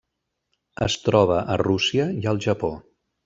Es troba a Rússia i el Japó.